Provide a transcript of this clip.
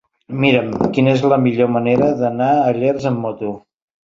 Mira'm quina és la millor manera d'anar a Llers amb moto.